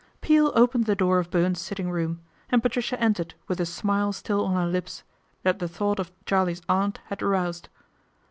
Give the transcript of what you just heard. Peel opened the door of Bowen's sitting room, and Patricia entered with the smile still on her lips that the thought of "Charley's Aunt" had aroused.